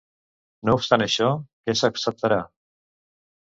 No obstant això, què s'acceptarà?